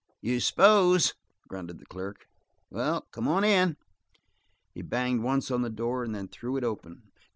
"You s'pose?" grunted the clerk. "Well, come on in." He banged once on the door and then threw it open.